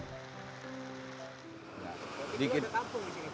jadi ada kampung di sini pak